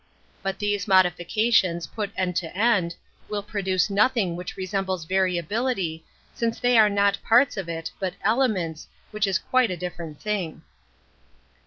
But these modifications, put end / to end, will produce nothing which re \ sembles variability, since they are not parts of it, but elements, which is quite a different thing.